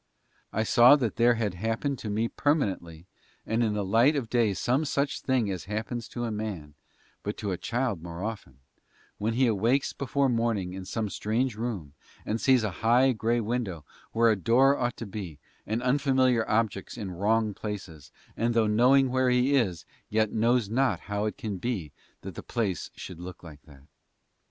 I saw that there had happened to me permanently and in the light of day some such thing as happens to a man, but to a child more often, when he awakes before morning in some strange room and sees a high, grey window where the door ought to be and unfamiliar objects in wrong places and though knowing where he is yet knows not how it can be that the place should look like that.